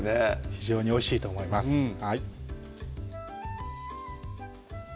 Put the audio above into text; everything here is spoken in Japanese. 非常においしいと思いますうん！